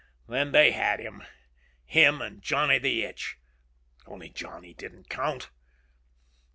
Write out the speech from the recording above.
Then they had him. Him and Johnny the Itch. Only Johnny didn't count.